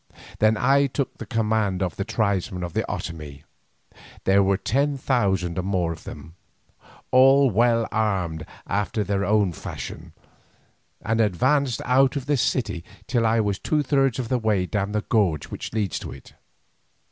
Then I took command of the tribesmen of the Otomie—there were ten thousand or more of them, all well armed after their own fashion—and advanced out of the city till I was two thirds of the way down the gorge which leads to it.